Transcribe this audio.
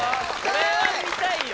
これは見たいよ